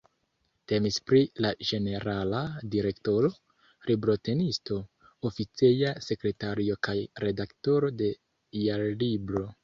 Temis pri la ĝenerala direktoro, librotenisto, oficeja sekretario kaj redaktoro de Jarlibro.